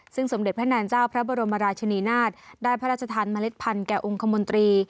ซึ่งสมเด็จพระนางเจ้าพระบรมราชนีนาฏได้พระราชทานเมล็ดพันธแก่องค์คมนตรี